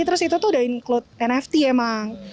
terus itu sudah include nft emang